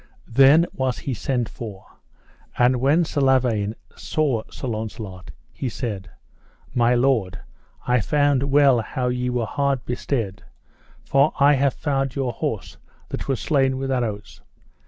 Then was he sent for, and when Sir Lavaine saw Sir Launcelot, he said: My lord, I found well how ye were hard bestead, for I have found your horse that was slain with arrows.